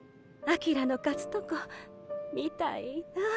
翔の勝つとこ見たいなあ。